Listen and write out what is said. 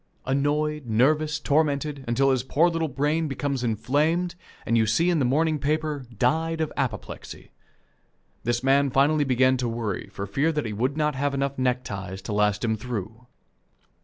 Annoyed, nervous, tormented, until his poor little brain becomes inflamed, and you see in the morning paper, "Died of apoplexy." This man finally began to worry for fear he would not have enough neckties to last him through.